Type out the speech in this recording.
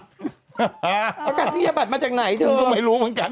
ประกาศนิยบัตรมาจากไหนเธอก็ไม่รู้เหมือนกัน